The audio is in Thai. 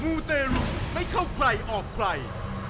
มูเตรุไม่เข้าใครออกใคร